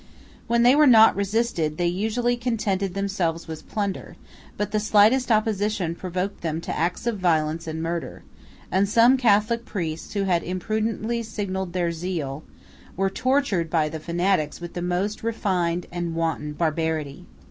When they were not resisted, they usually contented themselves with plunder, but the slightest opposition provoked them to acts of violence and murder; and some Catholic priests, who had imprudently signalized their zeal, were tortured by the fanatics with the most refined and wanton barbarity.